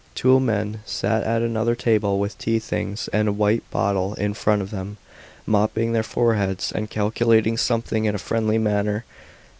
Two men sat at another table with tea things and a white bottle in front of them, mopping their foreheads, and calculating something in a friendly manner.